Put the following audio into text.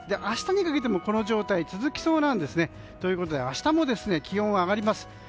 明日もこの状態続きそうなんですね。ということで明日も気温は上がります。